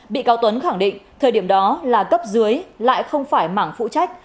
bị cáo tuấn khẳng định thời điểm đó là cấp dưới lại không phải mảng phụ trách